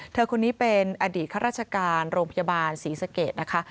เธอคนนี้เป็นอดีตข้าราชการโรงพยาบาลศรีสเกตนะคะ